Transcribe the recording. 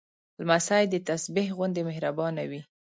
لمسی د تسبېح غوندې مهربانه وي.